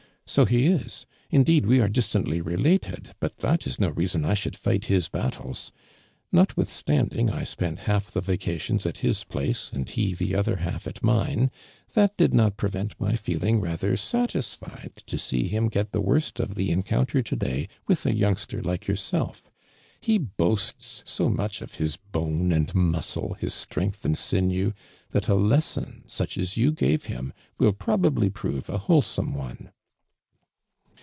*' So ho is. Indeed, wo are distantly related, but that is no reason I should fight his battles. Notwithstanding I spend half the vacations at his place and he the other half at mine, that did not prevent ray feel ing rather satisfied to see him get the worst of the encounter to day with a youngster like yourself. Ho l)oasts so much of his bone and muscle, his strength and sinew, that a lesson such as you gave him will probably prove a wholesome one.'